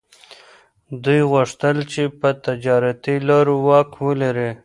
دوی غوښتل چي پر تجارتي لارو واک ولري.